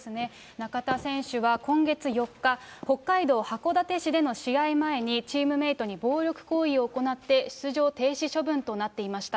中田選手は今月４日、北海道函館市での試合前に、チームメートに暴力行為を行って、出場停止処分となっていました。